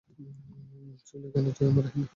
ছুইলে কেন তুই আমারে, হাহ?